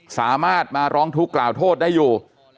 สามารถมาร้องทุกข์กล่าวโทษได้อยู่